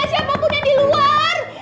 siapapun yang di luar